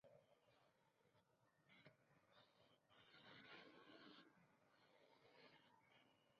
La sociedad canadiense a menudo se describe como "muy progresiva, diversa y multicultural".